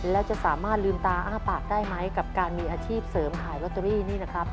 แล้วจะสามารถลืมตาอ้าปากได้ไหมกับการมีอาชีพเสริมขายลอตเตอรี่นี่นะครับ